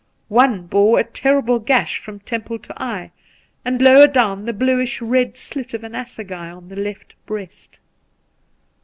One bore a terrible gash from temple to eye, and lower down the bluish red slit of an assegai on the left breast.